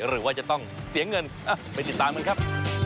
หรือว่าจะต้องเสียเงินไปติดตามกันครับ